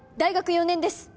４年です